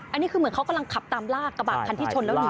อันนี้คือเหมือนเขากำลังขับตามลากกระบะคันที่ชนแล้วหนี